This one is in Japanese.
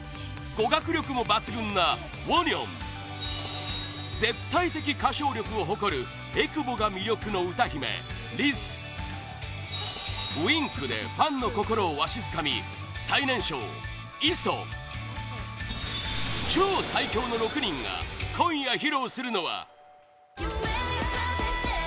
語学力も抜群なウォニョン絶対的歌唱力を誇るえくぼが魅力の歌姫、リズウインクでファンの心をわしづかみ最年少、イソ超最強の６人が今夜披露するのは